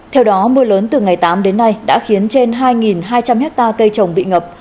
theo đó mưa lớn từ ngày tám đến nay đã khiến trên hai hai trăm linh hectare cây trồng bị ngập